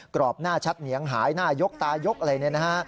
รอบหน้าชัดเหนียงหายหน้ายกตายกอะไรเนี่ยนะฮะ